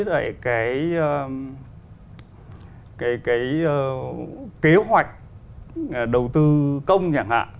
cái kế hoạch đầu tư công chẳng hạn